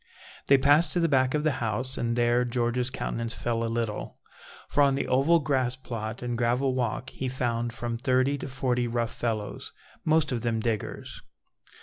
They passed to the back of the house, and there George's countenance fell a little, for on the oval grass plot and gravel walk he found from thirty to forty rough fellows, most of them diggers.